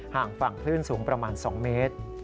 ห่างฝั่งคลื่นสูงประมาณ๒เมตร